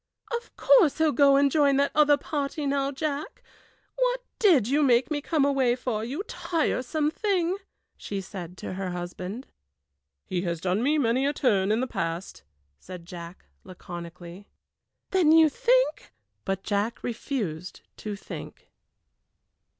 "Of course he'll go and join that other party now, Jack! What did you make me come away for, you tiresome thing!" she said to her husband. "He has done me many a turn in the past," said Jack, laconically. "Then you think ?" But Jack refused to think.